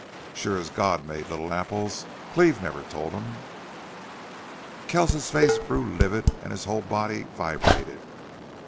Sure as God made little apples Cleve never told him!" Kells's face grew livid and his whole body vibrated.